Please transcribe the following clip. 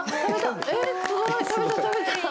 すごい！